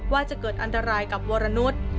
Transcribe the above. ว่าจะเกิดอันตรายกับวรนุษย์